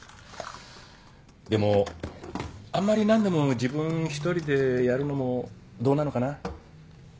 でもあんまり何でも自分一人でやるのもどうなのかな？